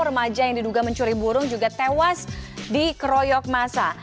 remaja yang diduga mencuri burung juga tewas di kroyok masa